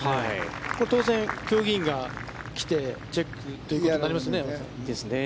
これ、当然、競技委員が来てチェックということになりますよね。